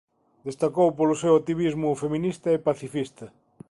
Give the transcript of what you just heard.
Destacou polo seu activismo feminista e pacifista.